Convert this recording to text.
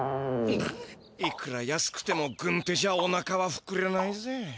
いくら安くてもぐんてじゃおなかはふくれないぜ。